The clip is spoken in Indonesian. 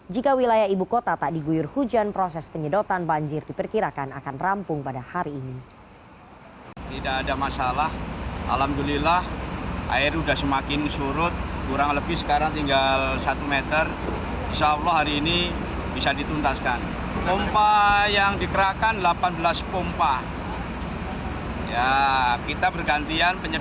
jika wilayah ibu kota tak diguyur hujan proses penyedotan banjir diperkirakan akan rampung pada hari ini